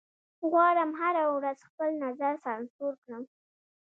غواړم هره ورځ خپل نظر سانسور کړم